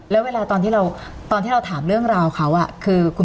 แล้วเวลาตอนที่เราตอนที่เราถามเรื่องราวเขาคือคุณ